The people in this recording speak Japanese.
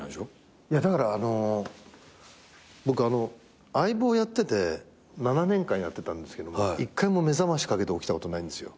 いやだから僕あの『相棒』やってて７年間やってたんですけど一回も目覚ましかけて起きたことないんですよ。